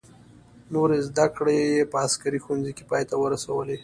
نورې زده کړې یې په عسکري ښوونځي کې پای ته ورسولې.